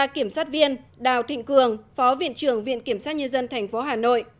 ba kiểm sát viên đào thịnh cường phó viện trưởng viện kiểm sát nhân dân thành phố hà nội